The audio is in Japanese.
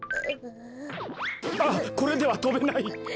あっこれではとべない。